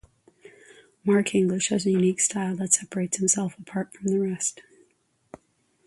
Mark English has a unique style that separates himself apart from the rest.